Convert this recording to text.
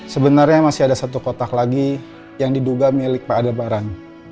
sebenarnya masih ada satu kotak lagi yang diduga milik pak ada baran